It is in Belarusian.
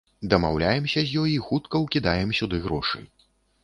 Дамаўляемся з ёй і хутка ўкідаем сюды грошы.